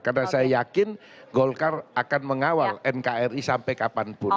karena saya yakin golkar akan mengawal nkri sampai kapanpun